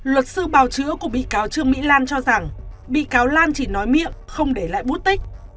luật sư bào chữa của bị cáo trương mỹ lan cho rằng bị cáo lan chỉ nói miệng không để lại bút tích